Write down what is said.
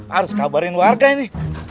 harus kabarin warga ini